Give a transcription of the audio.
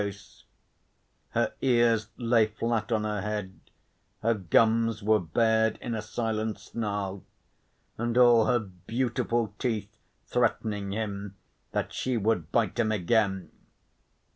Her ears lay flat on her head, her gums were bared in a silent snarl, and all her beautiful teeth threatening him that she would bite him again.